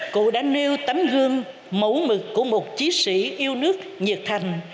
cụ đã nêu tấm gương mẫu mực của một chiến sĩ yêu nước nhiệt thành